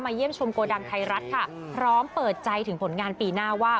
เยี่ยมชมโกดังไทยรัฐค่ะพร้อมเปิดใจถึงผลงานปีหน้าว่า